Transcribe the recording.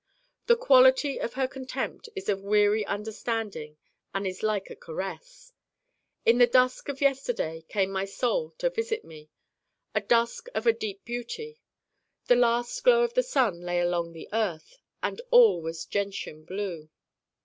The quality of her contempt is of weary understanding and is like a caress. In the dusk of yesterday came my Soul to visit me a dusk of a deep beauty. The last glow of the sun lay along the earth, and all was gentian blue.